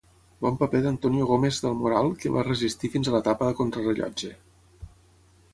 Bon paper d'Antonio Gómez del Moral que va resistir fins a l'etapa contrarellotge.